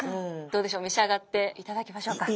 どうでしょうめしあがっていただきましょうか。